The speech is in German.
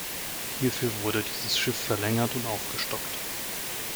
Hierfür wurde dieses Schiff verlängert und aufgestockt.